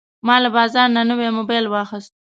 ما له بازار نه نوی موبایل واخیست.